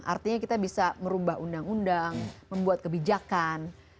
artinya kita bisa merubah undang undang membuat kebijakan